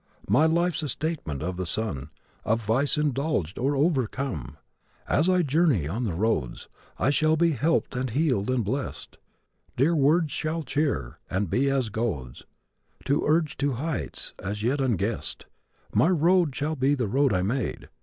My life's a statement of the sum Of vice indulged or overcome. And as I journey on the roads I shall be helped and healed and blessed. Dear words shall cheer, and be as goads To urge to heights as yet unguessed. My road shall be the road I made.